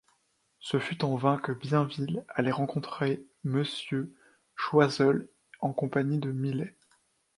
Ce fut en vain que Bienville allait rencontrer monsieur Choiseul en compagnie de Milhet.